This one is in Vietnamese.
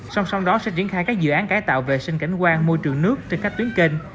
song song đó sẽ triển khai các dự án cải tạo vệ sinh cảnh quan môi trường nước trên các tuyến kênh